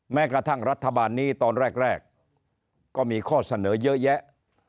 แม้กระทั่งรัฐบาลนี้ตอนแรกก็มีข้อเสนอเยอะแยะ